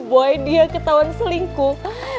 boy dia ketahuan selingkuh